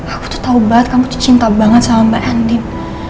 aku tuh tau banget kamu tuh cinta banget sama mbak andin